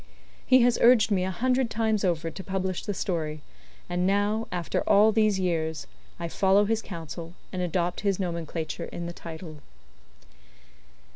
He has urged me a hundred times over to publish the story; and now, after all these years, I follow his counsel, and adopt his nomenclature in the title.